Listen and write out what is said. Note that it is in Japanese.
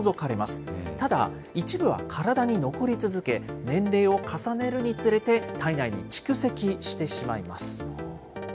ただ、一部は体に残り続け、年齢を重ねるにつれて体内に蓄積してしまいます。